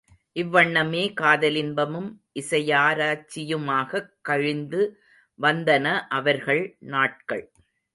இவ்வண்ணமே காதலின்பமும் இசையாராய்ச்சியுமாகக் கழிந்து வந்தன அவர்கள் நாட்கள்.